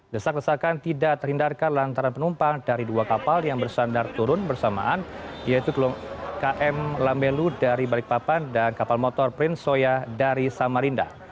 desak desakan tidak terhindarkan lantaran penumpang dari dua kapal yang bersandar turun bersamaan yaitu km lambelu dari balikpapan dan kapal motor prince soya dari samarinda